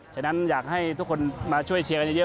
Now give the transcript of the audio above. ฉะนั้นอยากให้ทุกคนมาช่วยเชียร์กันเยอะ